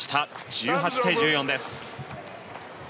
１８対１４です。